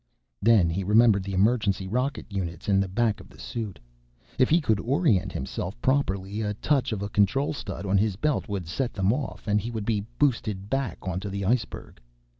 _ Then he remembered the emergency rocket units in the back of the suit. If he could orient himself properly, a touch of a control stud on his belt would set them off, and he would be boosted back onto the iceberg.